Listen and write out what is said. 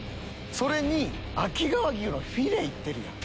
それに秋川牛のフィレ行ってるやん。